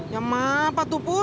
ya maaf pak tupu